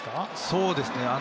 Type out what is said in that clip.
そうですね。